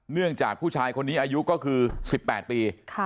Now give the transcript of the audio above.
เนื่องจากผู้ชายคนนี้อายุก็คือ๑๘ปี